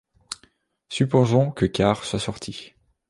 Supposons que Carr soit sorti.